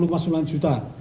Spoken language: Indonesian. empat puluh masul lanjutan